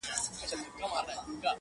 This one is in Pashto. هغه نن بيا د چا د ياد گاونډى.